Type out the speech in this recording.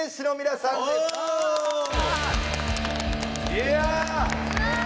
いや！